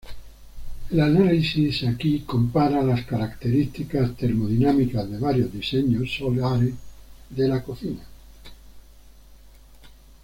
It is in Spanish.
El análisis aquí compara las características termodinámicas de varios diseños solares de la cocina.